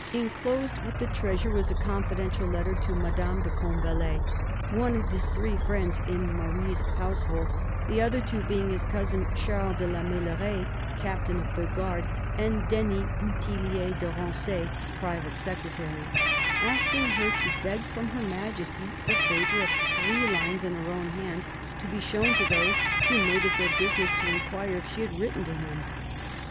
Enclosed with the treasure was a confidential letter to Madame de Combalet — one of his three friends in Marie's household, the other two being his cousin Charles de la Meilleraye, captain of the guard, and Denys Bouthillier de Ranc6, private secretary — asking her to beg from Her Majesty the favour of three lines in her own hand, to be shown to those who made it their business to inquire if she had written to him.